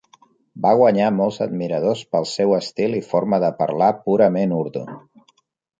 Va guanyar molts admiradors pel seu estil i forma de parlar purament urdu.